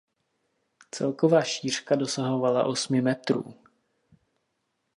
Celková šířka dosahovala osmi metrů.